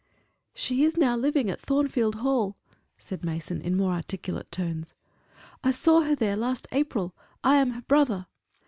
"She is now living at Thornfield Hall," said Mason, in more articulate tones. "I saw her there last April. I am her brother."